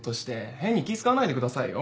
変に気使わないでくださいよ。